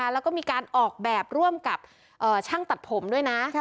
แล้วก็มีการออกแบบร่วมกับช่างตัดผมด้วยนะ